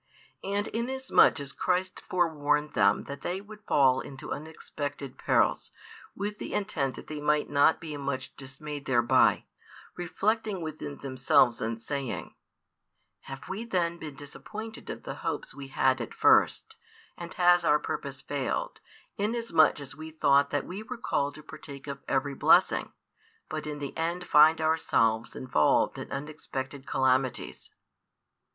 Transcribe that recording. And inasmuch as Christ forewarned them that they would fall into unexpected perils, with the intent that they might not be much dismayed thereby, reflecting within themselves and saying, "Have we then been disappointed of the hopes we had at first, and has our purpose failed, inasmuch as we thought that we were called to partake of every blessing, but in the end find ourselves involved in unexpected calamities?"